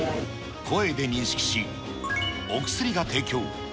声で認識し、お薬が提供。